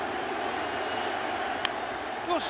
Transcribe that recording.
よし！